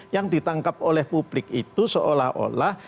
yang ditangkap oleh publik itu seolah olah